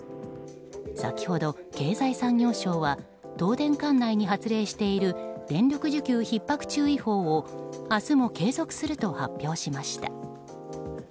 先ほど経済産業省は東電管内に発令している電力需給ひっ迫注意報を明日も継続すると発表しました。